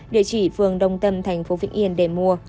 địa chỉ phường đông tâm thành phố vĩnh yên để mua